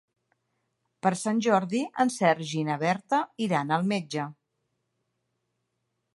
Per Sant Jordi en Sergi i na Berta iran al metge.